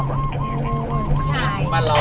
ผู้ชีพเราบอกให้สุจรรย์ว่า๒